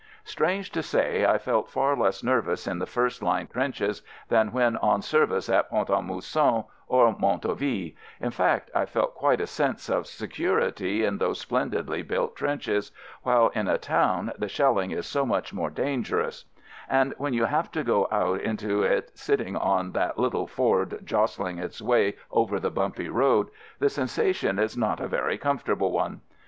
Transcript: Strange to say, I felt far less nervous in the first line trenches than when on service at Pont a Mousson or Montau ville — in fact I felt quite a sense of se curity in those splendidly built trenches, while in a town the shelling is so much more dangerous ; and when you have to go out into it sitting on that little Ford jos tling its way over the bumpy road, the sensation is not a very comfortable one.